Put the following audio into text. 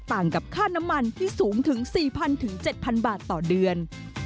ต่างกับค่าน้ำมันที่สูงถึง๔๐๐๗๐๐บาทต่อเดือน